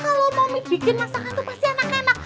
kalau mami bikin masakan tuh pasti enak enak